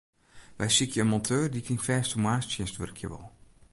Wy sykje in monteur dy't yn fêste moarnstsjinst wurkje wol.